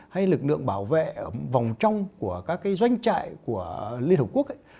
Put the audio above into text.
hay lực lượng bảo vệ vòng trong của các cái doanh trại của liên hợp quốc ấy